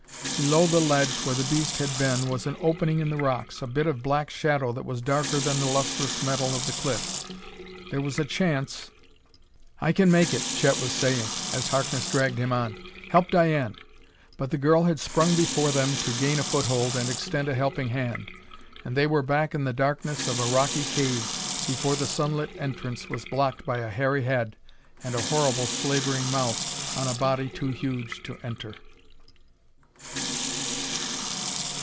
Below the ledge where the beast had been was an opening in the rocks a bit of black shadow that was darker than the lustrous metal of the cliff. There was a chance "I can make it," Chet was saying, as Harkness dragged him on; "help Diane!" But the girl had sprung before them to gain a foothold and extend a helping hand. And they were back in the darkness of a rocky cave before the sunlit entrance was blocked by a hairy head and a horrible, slavering mouth on a body too huge to enter.